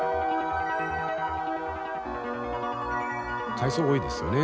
海草多いですよね。